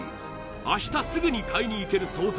明日すぐに買いに行ける惣菜